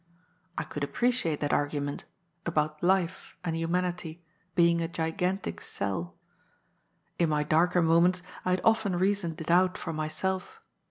I could appreciate that argument — about life, and humanity, being a gigantic sell. In my darker moments I had often reasoned it out for myself.